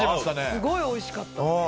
すごいおいしかった。